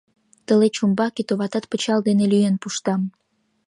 Тылеч умбаке, товатат, пычал дене лӱен пуштам!..